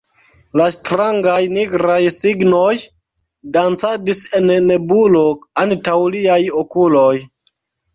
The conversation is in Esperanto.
la strangaj nigraj signoj dancadis en nebulo antaŭ liaj okuloj.